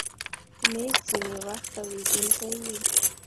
مېز ځینې وخت تاوېدونکی وي.